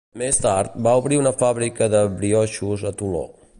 Més tard, va obrir una fàbrica de brioixos a Toló.